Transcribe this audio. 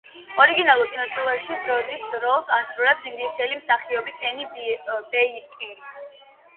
ორიგინალურ კინოტრილოგიაში დროიდის როლს ასრულებს ინგლისელი მსახიობი კენი ბეიკერი.